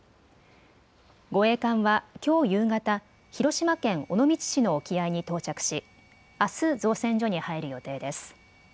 護衛艦はきょう夕方広島県尾道市の沖合に到着しあす造船所に入る予定です。